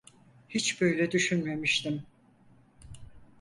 Hiç böyle düşünmemiştim.